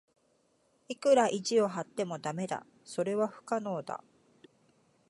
いくら意地を張っても駄目だ。それは不可能だ。